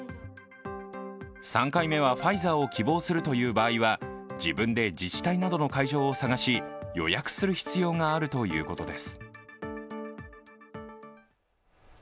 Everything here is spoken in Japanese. ３回目はファイザーを希望するという場合は自分で自治体などの会場を探し、予約する必要があるということです。